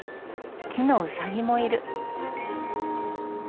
木のウサギもいる。